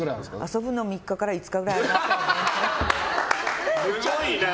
遊ぶの３日から５日ぐらいかな。